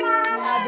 ibu kita menang bu